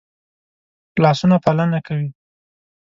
لاسونه پالنه کوي